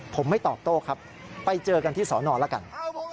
ผมไม่ตอบโต้ครับไปเจอกันที่สอนอแล้วกัน